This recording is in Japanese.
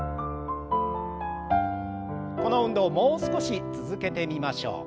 この運動をもう少し続けてみましょう。